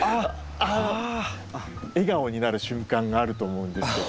笑顔になる瞬間があると思うんですけど。